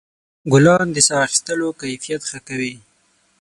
ګلان د ساه اخیستلو کیفیت ښه کوي.